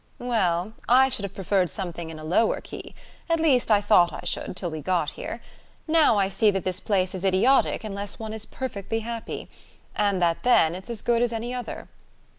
"Well, I should have preferred something in a lower key; at least I thought I should till we got here. Now I see that this place is idiotic unless one is perfectly happy; and that then it's as good as any other."